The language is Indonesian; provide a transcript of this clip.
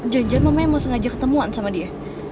janjian mama yang mau sengaja ketemuan sama dia